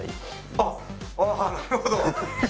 あっああなるほど。